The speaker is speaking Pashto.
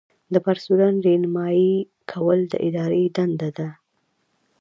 د پرسونل رہنمایي کول د ادارې دنده ده.